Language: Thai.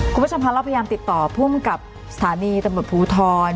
คุณผู้ชมพันธ์เราพยายามติดต่อผู้มันกับสถานีตะหมดภูทธ์